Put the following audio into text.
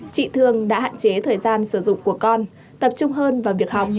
chị thương đã hạn chế thời gian sử dụng của con tập trung hơn vào việc học